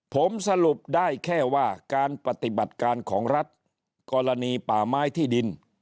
ผมสรุปได้แค่ว่าการปฏิบัติการของรัฐกรณีป่าไม้ที่ดิน